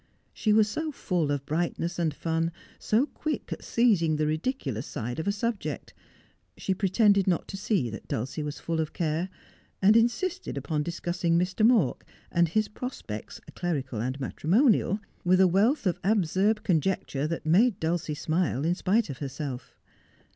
She was so full of brightness' and fun, so quick at seizing the ridiculous side of a subject. She pretended not to see that Dulcie was full of care, and insisted upon discussing Mr, Mawk and his prospects, clerical and matrimonial, with a wealth of absurd conjecture that made Dulcie smile in spite of herself.